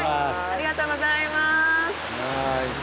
ありがとうございます。